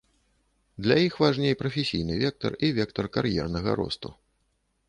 Для іх важней прафесійны вектар і вектар кар'ернага росту.